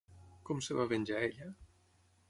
Com es va venjar ella?